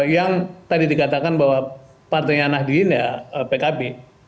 yang tadi dikatakan bahwa partainya nahdien ya pkb